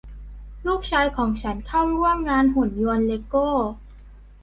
ลูกชายของฉันเข้าร่วมงานหุ่นยนต์เลโก้